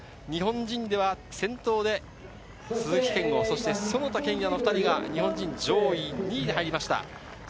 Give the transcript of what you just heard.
日本人では先頭で鈴木健吾、其田健也の２人、日本人上位２位で入りました。